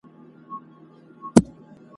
د چا عقل چي انسان غوندي پر لار وي ,